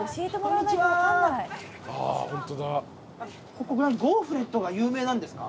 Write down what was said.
ここゴフレットが有名なんですか？